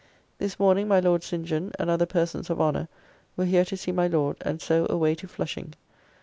This morning my Lord St. John and other persons of honour were here to see my Lord, and so away to Flushing.